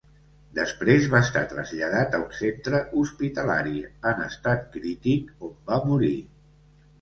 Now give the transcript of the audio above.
Després va estar traslladat a un centre hospitalari, en estat crític, on va morir.